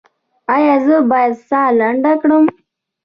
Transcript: ایا زه باید ساه لنډه کړم؟